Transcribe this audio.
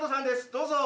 どうぞ。